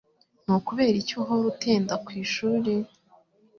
Ni ukubera iki uhora utinda ku ishuri?